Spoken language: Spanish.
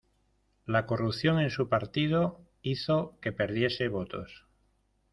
La corrupción en su partido, hizo que perdiese votos.